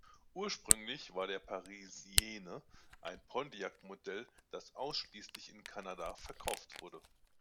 Ursprünglich war der Parisienne ein Pontiac-Modell, das ausschließlich in Kanada verkauft wurde.